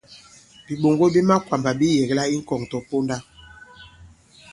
Bìɓoŋgo bi makwàmbà bi yɛ̀kla i ŋkɔ̀ŋ tɔ̀ponda.